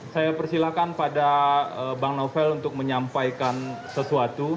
saya persilakan pada bank novel untuk menyampaikan sesuatu